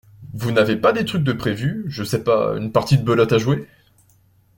Vous n’avez pas des trucs de prévu, je sais pas, une partie de belote à jouer ?